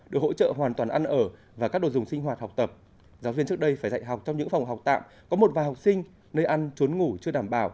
được hỗ trợ hoàn toàn ăn ở và các đồ dùng sinh hoạt học tập